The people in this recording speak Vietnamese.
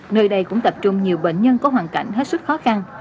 nơi đây cũng tập trung nhiều bệnh nhân có hoàn cảnh hết sức khó khăn